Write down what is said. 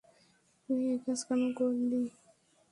তুই একাজ কেন করলি?